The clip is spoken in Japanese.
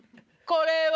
「これは」。